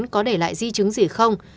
có để lại di chứng gì không